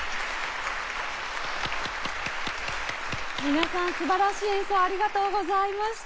皆さん素晴らしい演奏ありがとうございました。